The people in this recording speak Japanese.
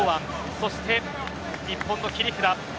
そして、日本の切り札。